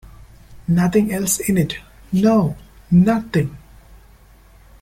Nothing else in it — no, nothing!